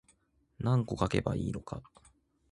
何個書けばいいのか